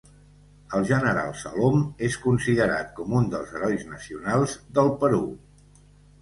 El general Salom és considerat com un dels herois nacionals del Perú.